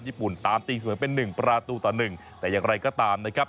ญี่ปุ่นตามตีเสมอเป็นหนึ่งประตูต่อหนึ่งแต่อย่างไรก็ตามนะครับ